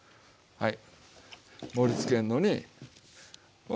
はい。